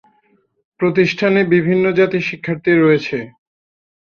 প্রতিষ্ঠানে বিভিন্ন জাতির শিক্ষার্থী রয়েছে।